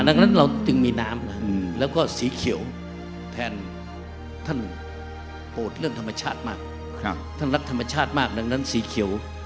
ดังนั้นเราจึงมีน้ำแล้วก็สีเขียวแทนท่านโปรดเรื่องธรรมชาติมากท่านรักธรรมชาติมากดังนั้นสีเขียว